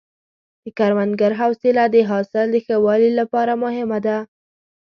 د کروندګر حوصله د حاصل د ښه والي لپاره مهمه ده.